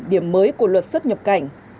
điểm mới của luật xuất nhập cảnh